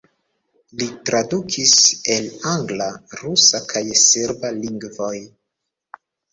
Li tradukis el angla, rusa kaj serba lingvoj.